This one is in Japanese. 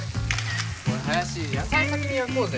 おい林野菜先に焼こうぜ。